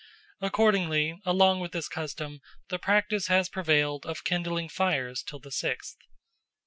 Accordingly, along with this custom, the practice has prevailed of kindling fires till the sixth."